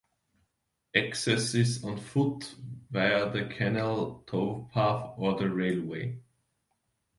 Access is on foot, via the canal towpath, or the railway.